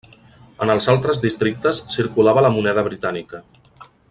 En els altres districtes circulava la moneda britànica.